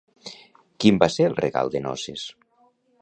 Quin va ser el regal de noces?